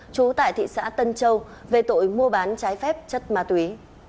trú tại thị xã tân châu về tội mua bán trái phép chất ma túy